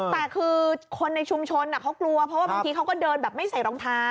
แต่คือคนในชุมชนเขากลัวเพราะว่าบางทีเขาก็เดินแบบไม่ใส่รองเท้า